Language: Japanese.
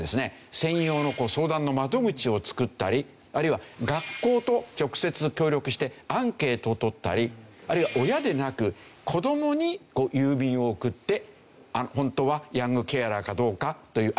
専用の相談の窓口を作ったりあるいは学校と直接協力してアンケートを取ったりあるいは親でなく子どもに郵便を送って本当はヤングケアラーかどうかというアンケートをすると。